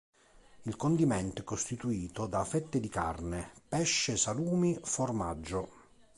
Il condimento è costituito da fette di carne, pesce, salumi, formaggio.